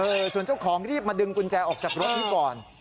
ส่วนเจ้าของรีบมาดึงกุญแจออกจากรถให้ก่อน